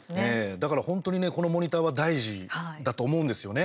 だから本当にねこのモニターは大事だと思うんですよね。